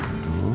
nah kamu duduk